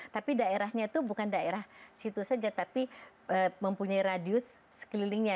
tapi daerahnya itu bukan daerah situ saja tapi mempunyai radius sekelilingnya